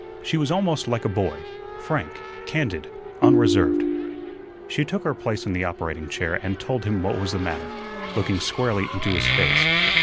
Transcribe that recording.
She was almost like a boy, frank, candid, unreserved. She took her place in the operating chair and told him what was the matter, looking squarely into his face.